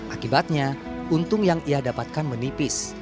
akibatnya untung yang ia dapatkan menipis